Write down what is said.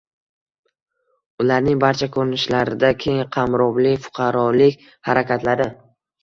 ularning barcha ko‘rinishlarida keng qamrovli fuqarolik harakatlari